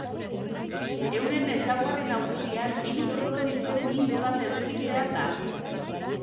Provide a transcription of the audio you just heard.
Euren ezaugarri nagusia hiru zulo dituen mintz bat edukitzea da.